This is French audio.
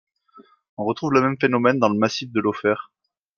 On retrouve le même phénomène dans le massif de Lofer.